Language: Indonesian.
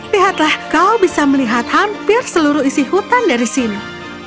lihatlah kau bisa melihat hampir seluruh isi hutan dari sini